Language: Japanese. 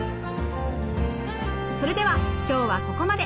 それでは今日はここまで。